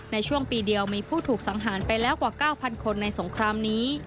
ในช่วงปีเดียวมีผู้ถูกสังหารไปแล้วกว่า๙๐๐คนในสงครามนี้